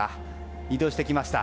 移動してきました。